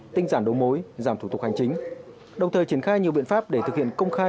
tinh giản đấu mối giảm thủ tục hành chính đồng thời triển khai nhiều biện pháp để thực hiện công khai